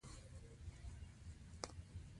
د اوبو، امونیا، ګوګړو تیزاب فورمولونه بیلګې دي.